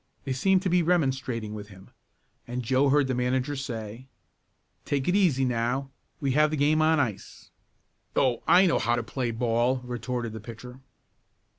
They seemed to be remonstrating with him, and Joe heard the manager say: "Take it easy now; we have the game on ice." "Oh, I know how to play ball," retorted the pitcher.